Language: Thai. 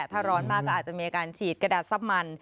ถ้าร้อนมากก็อาจจะมีอาการฉีดกระดาษซับมัน